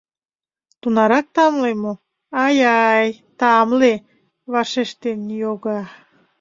Тунарак тамле мо?» — «Ай-яй... тамле!» — вашештен ньога.